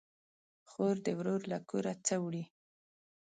خور ده ورور له کوره سه وړي